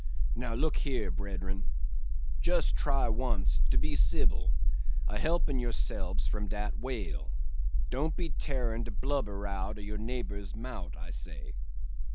Now, look here, bred'ren, just try wonst to be cibil, a helping yourselbs from dat whale. Don't be tearin' de blubber out your neighbour's mout, I say.